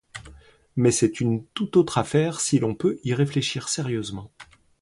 Mais c’est une tout autre affaire si l’on veut y réfléchir sérieusement.